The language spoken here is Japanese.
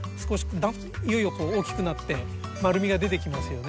いよいよ大きくなって丸みが出てきますよね。